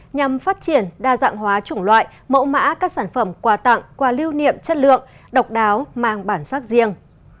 nhằm phát triển đa dạng hóa chủng loại mẫu mã các sản phẩm quà tặng quà lưu niệm chất lượng độc đáo mang bản sắc riêng